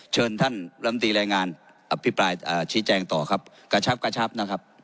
เชิญท่านลำตีแรงงานอภิปรายชี้แจงต่อครับกระชับกระชับนะครับ